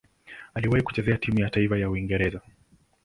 Aliwahi kucheza timu ya taifa ya Uingereza.